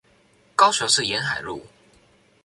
高雄市沿海路